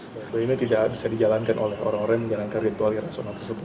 jadi ini tidak bisa dijalankan oleh orang orang yang menjalankan ritual irasional tersebut